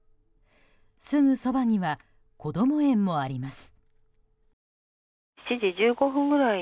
すぐそばにはこども園もあります。